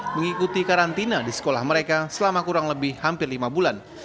mengikuti karantina di sekolah mereka selama kurang lebih hampir lima bulan